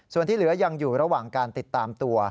ส่วนที่เหลือยังอยู่ระหว่างการติดตามตัว